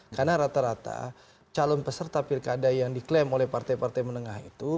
karena rata rata calon peserta pilkada yang diklaim oleh partai partai menengah itu